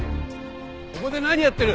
ここで何やってる？